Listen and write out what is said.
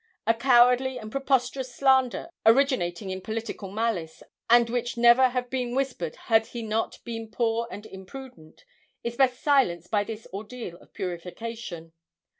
A cowardly and preposterous slander, originating in political malice, and which never have been whispered had he not been poor and imprudent, is best silenced by this ordeal of purification.